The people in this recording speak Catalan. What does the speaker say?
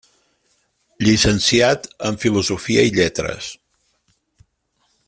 Llicenciat en filosofia i lletres.